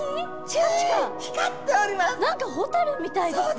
何かホタルみたいですね。